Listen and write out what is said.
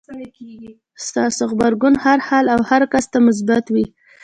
ستاسې غبرګون هر حالت او هر کس ته مثبت وي.